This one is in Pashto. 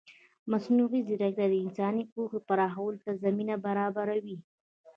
مصنوعي ځیرکتیا د انساني پوهې پراخولو ته زمینه برابروي.